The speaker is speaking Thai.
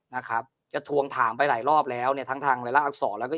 นะครับจะทวงถามไปหลายรอบแล้วเนี่ยทั้งทางรายละอักษรแล้วก็